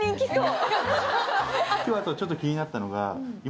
今日あとちょっと気になったのが。